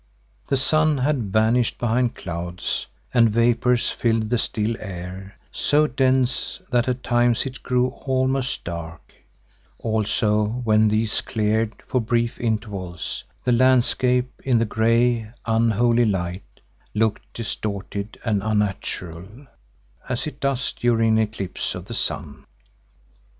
The sun had vanished behind clouds, and vapours filled the still air, so dense that at times it grew almost dark; also when these cleared for brief intervals, the landscape in the grey, unholy light looked distorted and unnatural, as it does during an eclipse of the sun.